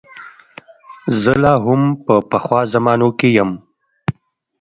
زه لا هم په پخوا زمانو کې یم.